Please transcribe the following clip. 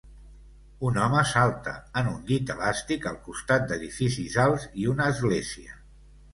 Un home salta en un llit elàstic al costat d'edificis alts i una església.